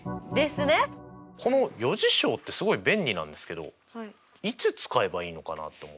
この余事象ってすごい便利なんですけどいつ使えばいいのかなと思ってて。